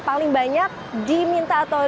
paling banyak diminta atau